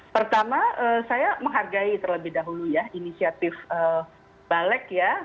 pertama saya menghargai terlebih dahulu ya inisiatif balek ya